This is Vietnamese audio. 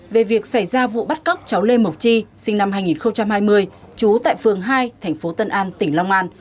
về việc xảy ra vụ bắt cóc cháu lê mộc chi sinh năm hai nghìn hai mươi trú tại phường hai thành phố tân an tỉnh long an